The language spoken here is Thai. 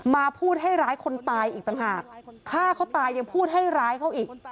มาพูดให้ร้ายคนตายอีกต่างหากฆ่าเขาตายยังพูดให้ร้ายเขาอีก